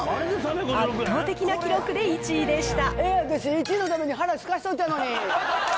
圧倒的な記録で１位でした。